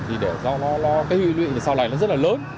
thì do nó cái huy luyện sau này nó rất là lớn